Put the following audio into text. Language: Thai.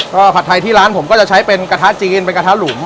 ก็ผัดไทยที่ร้านผมก็จะใช้เป็นกระทะจีนเป็นกระทะหลุม